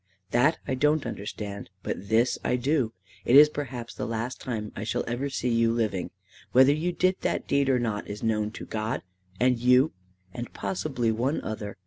"That I don't understand; but this I do. It is perhaps the last time I shall ever see you living. Whether you did that deed or not is known to God, and you, and possibly one other.